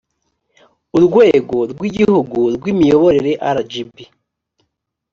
urwego rw igihugu rw imiyoborere rgb